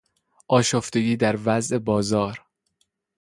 آشفتگی در وضع بازار